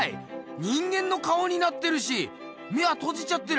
人間の顔になってるし眼はとじちゃってる。